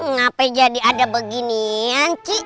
ngapain jadi ada beginian ci